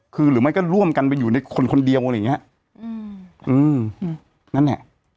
คือหรือไม่ก็ร่วมกันไปอยู่ในคนเดียวอะไรอย่างเงี้ยนั่นเนี่ย